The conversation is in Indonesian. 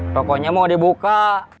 tokonya mau dibuka